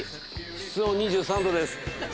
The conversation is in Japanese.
室温２３度です。